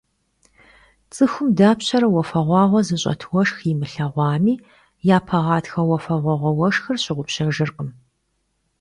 Ts'ıxum dapşere vuafeğuağue zış'et vueşşx yimılheğuami, yape ğatxe vuafeğuağue vueşşxır şığupşejjırkhım.